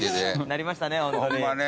なりましたね。